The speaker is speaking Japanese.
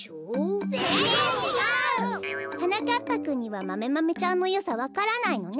ぜんぜんちがう！はなかっぱくんにはマメマメちゃんのよさわからないのね。